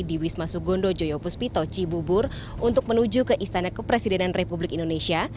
di wisma sugondo joyopus pitoci bubur untuk menuju ke istana kepresidenan republik indonesia